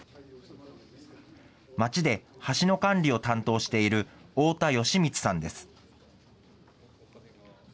町で橋の管理を担当している太田好光さんです。